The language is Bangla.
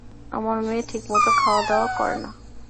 আমার মেয়ে ঠিকমত খাওয়া দাওয়া করে না।